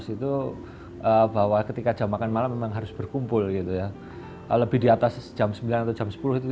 itu bahwa ketika jam makan malam memang harus berkumpul gitu ya lebih diatas jam sembilan atau jam